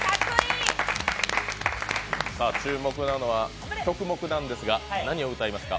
注目なのは、曲目なんですが何を歌いますか。